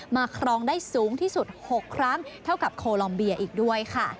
ครองได้สูงที่สุด๖ครั้งเท่ากับโคลอมเบียอีกด้วยค่ะ